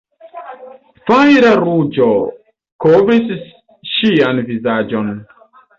Fajra ruĝo kovris ŝian vizaĝon.